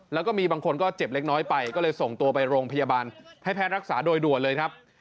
แล้วก็มีบางคนก็เจ็บเล็กน้อยไปก็เลยส่งตัวไปโรงพยาบาลให้แพทย์รักษาโดยด่วนเลยครับ